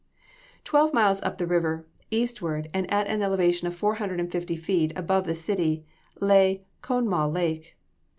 Twelve miles up the river, eastward, and at an elevation of four hundred and fifty feet above the city, lay Conemaugh Lake.